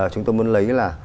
chúng tôi muốn lấy là